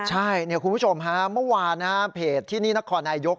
ใช่คุณผู้ชมฮะเมื่อวานเพจที่นี่นครนายก